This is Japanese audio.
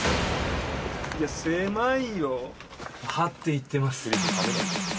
いや狭いよはって行ってます